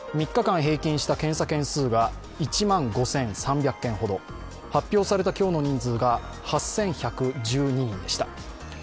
３日間平均した検査件数が１万５３００件ほど、発表された今日の人数が８１１２人でした。